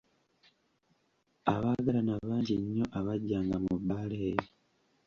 Abaagalana bangi nnyo abajjanga mu bbaala eyo.